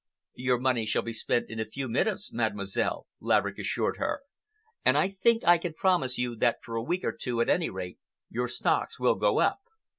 "Your money shall be spent in a few minutes, Mademoiselle," Laverick assured her, "and I think I can promise you that for a week or two, at any rate, your stocks will go up.